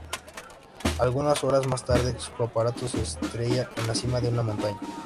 Algunas horas más tarde, su aparato se estrella en la cima de una montaña.